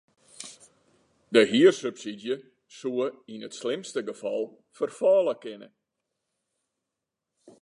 De hiersubsydzje soe yn it slimste gefal ferfalle kinne.